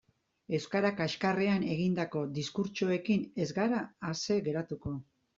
Euskara kaxkarrean egindako diskurtsoekin ez gara ase geratuko.